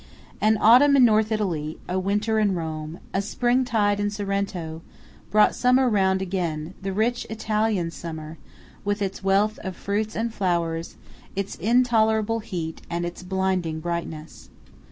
AN autumn in North Italy, a winter in Rome, a spring tide in Sorrento, brought summer round again–the rich Italian summer, with its wealth of fruits and flowers, its intolerable heat, and its blinding brightness.